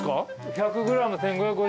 １００ｇ１，５５０円。